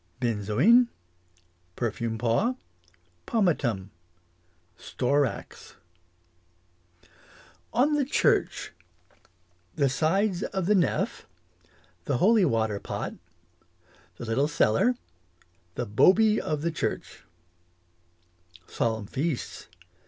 Benzoin Perfume paw Pomatum Storax On the church. The sides of the nef The holywater pot The little cellar The boby of the church Solemn feasts.